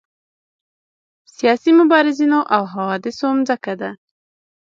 سیاسي مبارزینو او حوادثو مځکه ده.